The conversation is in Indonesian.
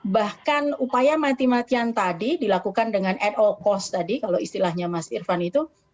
bahkan upaya mati matian tadi dilakukan dengan at all cost tadi kalau istilahnya mas irfan itu